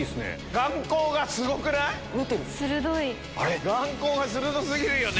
眼光が鋭過ぎるよね。